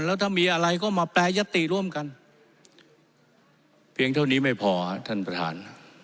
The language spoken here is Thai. แล้วถ้ามีอะไรก็มาแปรยติร่วมกันเพียงเท่านี้ไม่พอครับท่านประธาน